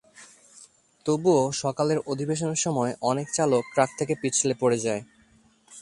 তবুও, সকালের অধিবেশনের সময় অনেক চালক ট্র্যাক থেকে পিছলে পড়ে যায়।